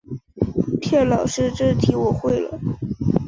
骗老师这题我会了